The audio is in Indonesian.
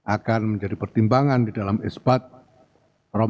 akan menjadi pertimbangan di dalam isbat ramadan seribu empat ratus empat puluh lima hijriyah